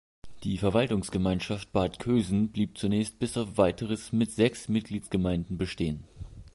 Die Verwaltungsgemeinschaft Bad Kösen blieb zunächst bis auf weiteres mit sechs Mitgliedsgemeinden bestehen.